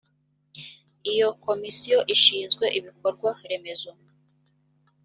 iyo komisiyo ishinzwe ibikorwa remezo